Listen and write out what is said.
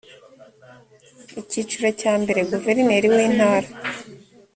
icyiciro cya mbere guverineri w intara